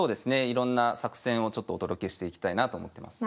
いろんな作戦をちょっとお届けしていきたいなと思ってます。